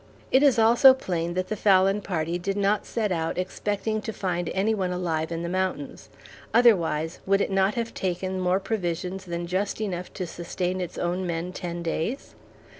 It is also plain that the Fallon Party did not set out expecting to find any one alive in the mountains, otherwise would it not have taken more provisions than just enough to sustain its own men ten days?